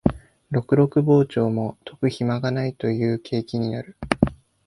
ろくろく庖丁も研ぐひまがないという景気になる